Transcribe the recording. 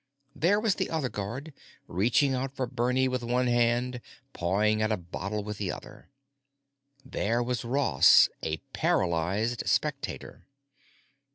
There was the other guard, reaching out for Bernie with one hand, pawing at a bottle with the other. There was Ross, a paralyzed spectator.